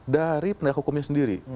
dari pendidikan hukumnya sendiri